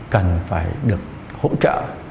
cần phải được hỗ trợ